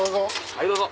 はいどうぞ。